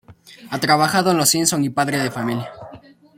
Ha trabajado en "Los Simpson" y "Padre de Familia".